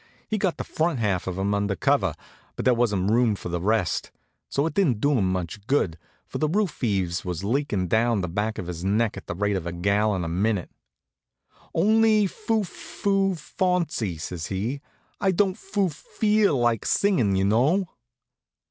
He'd got the front half of him under cover, but there wasn't room for the rest; so it didn't do him much good, for the roof eaves was leakin' down the back of his neck at the rate of a gallon a minute. "Only fu fu fawncy!" says he. "I don't fu feel like singing, y'know."